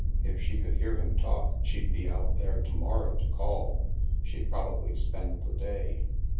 If she could hear him talk, she'd be out there to morrow to call. She'd probably spend the day.")